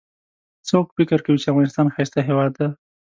څوک فکر کوي چې افغانستان ښایسته هیواد ده